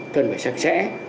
cần phải sạch sẽ